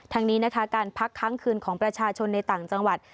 นี้นะคะการพักค้างคืนของประชาชนในต่างจังหวัด